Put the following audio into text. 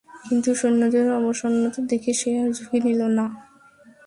কিন্তু সৈন্যদের অবসন্নতা দেখে সে আর ঝুকি নিল না।